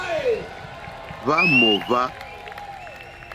Hwá mòhwá.